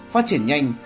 phát triển nhanh